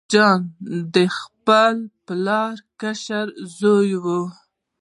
جون د خپل پلار کشر زوی و